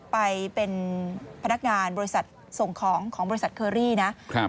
ไปเป็นพนักงานบริษัทส่งของของบริษัทเคอรี่นะครับ